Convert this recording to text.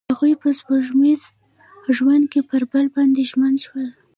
هغوی په سپوږمیز ژوند کې پر بل باندې ژمن شول.